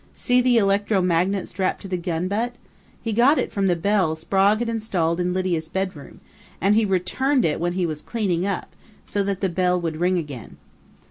See the electro magnet strapped to the gun butt? He got it from the bell Sprague had installed in Lydia's bedroom, and he returned it when he was 'cleaning up', so that the bell would ring again.